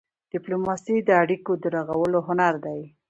ډيپلوماسي د اړیکو د رغولو هنر دی.